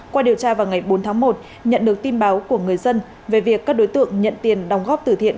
qua điều tra vào ngày bốn tháng một nhận được tin báo của người dân về việc các đối tượng nhận tiền đồng góp tử thiện